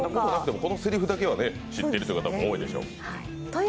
このせりふだけは知っているという方も多いでしょう。